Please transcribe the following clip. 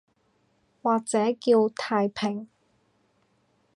或者叫太平